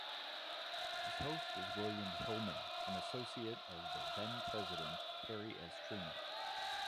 His host was William Hillman, an associate of the then-President, Harry S. Truman.